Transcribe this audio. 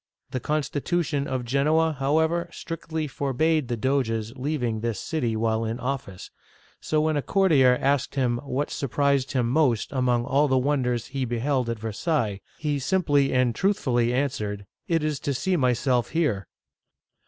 The constitution of Genoa, however, strictly forbade the Doge's leaving this city while in office, so when a courtier asked him what surprised him most among all the wonders he beheld at Versailles, he simply and truthfully answered, " It is to see myself here